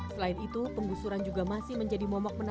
selain itu penggusuran juga masih terjadi